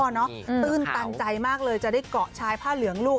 ตื่นตันใจมากเลยจะได้เกาะชายผ้าเหลืองลูก